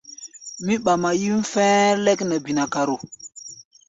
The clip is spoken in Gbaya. Mí ɓama yíʼm fɛ̧ɛ̧ lɛ́k nɛ binakaro.